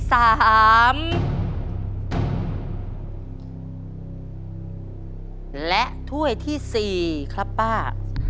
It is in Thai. และถ้วยที่๔ครับป้า